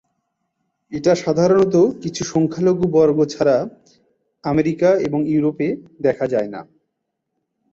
এটা সাধারণত কিছু সংখ্যালঘু বর্গ ছাড়া আমেরিকা এবং ইউরোপে দেখা যায়না।